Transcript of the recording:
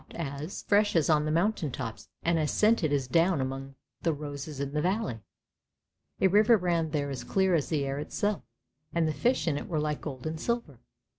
M» ' THE GARDEN OF PARADISE 165 fresh as on the mountain tops and as scented as down among the roses in the valley. A river ran there as clear as the air itself, and the fish in it were like gold and silver.